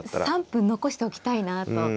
３分残しておきたいなと。